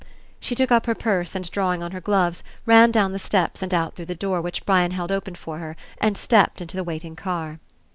She took up her purse and drawing on her gloves, ran down the steps and out through the door which Brian held open for her and stepped into the waiting car.